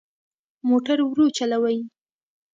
موټر ورو چلوئ